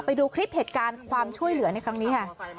ไปดูคลิปเหตุการณ์ความช่วยเหลือในครั้งนี้ค่ะ